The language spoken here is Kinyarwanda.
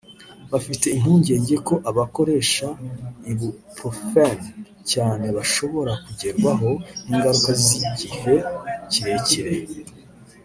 bafite impungenge ko abakoresha Ibuprofen cyane bashobora kugerwaho n’ingaruka z’igihe kirekire